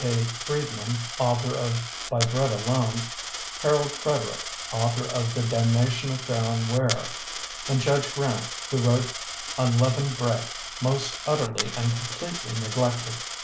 K Friedman, author of 'By Bread Alone'; Harold Frederic, author of 'The Damnation of Theron Ware'; and Judge Grant, who wrote 'Un leavened Bread', most utterly and completely neglected.